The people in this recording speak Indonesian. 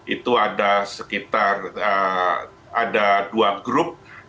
itu ada sekitar ada dua grup